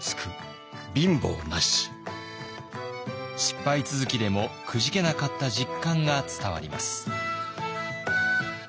失敗続きでもくじけなかった実感が伝わります。